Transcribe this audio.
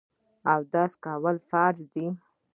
اودس کول فرض دي.